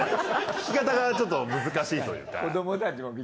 聞き方がちょっと難しいというか。